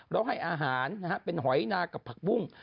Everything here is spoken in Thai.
แล้วให้อาหารนะฮะเป็นหอยนากับผักบุ้ง